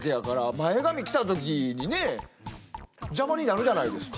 前髪きた時にね邪魔になるじゃないですか。